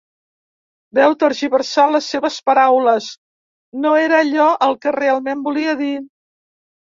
Vau tergiversar les seves paraules: no era allò el que realment volia dir.